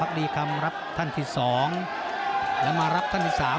หรือว่าผู้สุดท้ายมีสิงคลอยวิทยาหมูสะพานใหม่